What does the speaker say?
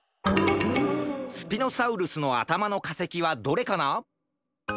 スピノサウルスのあたまのかせきはどれかな？